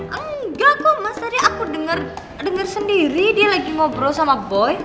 hah engga kok mas tadi aku denger denger sendiri dia lagi ngobrol sama boy